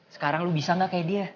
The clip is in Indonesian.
sekarang lu bisa gak kayak dia